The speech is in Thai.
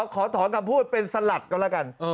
ขอถอนกับพูดเป็นสลัดกันละกัน